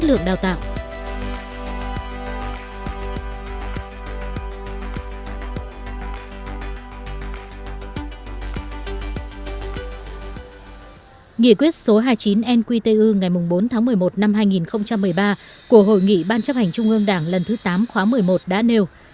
nghị quyết số hai mươi chín nqtu ngày bốn tháng một mươi một năm hai nghìn một mươi ba của hội nghị ban chấp hành trung ương đảng lần thứ tám khóa một mươi một đã nêu